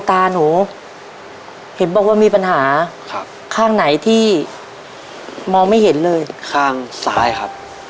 ทับผลไม้เยอะเห็นยายบ่นบอกว่าเป็นยังไงครับ